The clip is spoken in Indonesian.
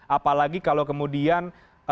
apalagi kalau kemudian